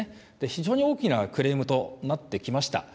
非常に大きなクレームとなってきました。